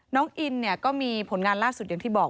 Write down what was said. น้องอินเนี่ยก็มีผลงานล่าสุดอย่างที่บอก